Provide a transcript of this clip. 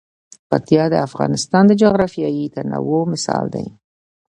پکتیا د افغانستان د جغرافیوي تنوع مثال دی.